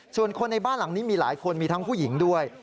ส่วนคนในบ้านหลังนี้มีหลายคนมีทั้งผู้หญิงด้วย